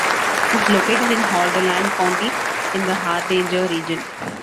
It is located in Hordaland county in the Hardanger region.